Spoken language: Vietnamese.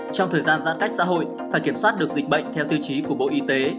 trong thời gian giãn cách xã hội phải kiểm soát được dịch bệnh theo tiêu chí của bộ y tế